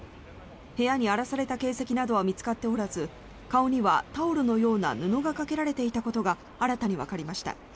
部屋に荒らされた形跡などは見つかっておらず顔にはタオルのような布がかけられていたことが新たにわかりました。